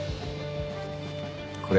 これ。